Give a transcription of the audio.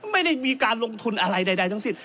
ไม่ได้มีการลงทุนอะไรใดทั้งสิ้น